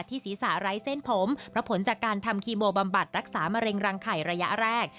ศีรษะไร้เส้นผมเพราะผลจากการทำคีโมบำบัดรักษามะเร็งรังไข่ระยะแรก